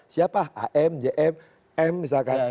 siapa am jm m misalkan